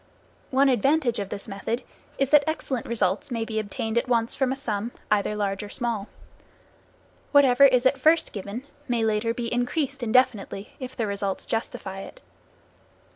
One advantage of this method is that excellent results may be obtained at once from a sum, either large or small. Whatever is at first given may later be increased indefinitely, if the results justify it.